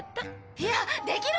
いやできるかも！